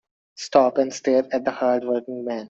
Stop and stare at the hard working man.